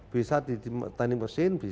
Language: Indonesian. bisa di tanning mesin